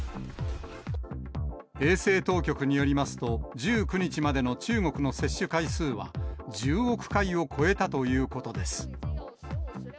衛生当局によりますと、１９日までの中国の接種回数は１０億回を超えたということです。